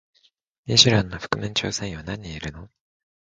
ミシュランの覆面調査員は何人いるの？